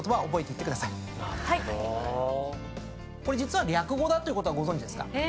これ実は略語だっていうことはご存じですか？